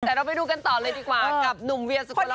เดี๋ยวเราให้ดูกันต่อเลยดีกว่ากับหนุ่มเวียสัครโรมัติ